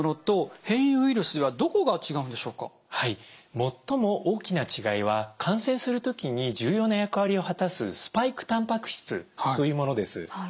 最も大きな違いは感染する時に重要な役割を果たすスパイクたんぱく質というものです。